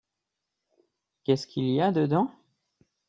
Qu'est-ce qu'il y a dedans ?